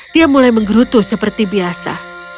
dia mulai menggerutu seperti biasa